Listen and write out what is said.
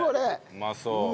うまそう。